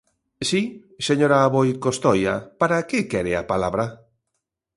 Si, señora Aboi Costoia, ¿para que quere a palabra?